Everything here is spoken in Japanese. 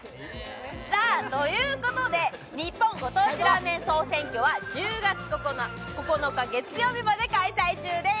さあ、ということで日本ご当地ラーメン総選挙は１０月９日月曜日まで開催中です。